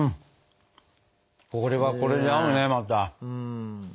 これはこれで合うねまた。